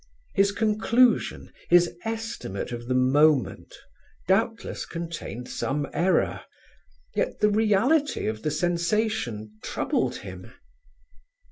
His conclusion, his estimate of the "moment," doubtless contained some error, yet the reality of the sensation troubled him.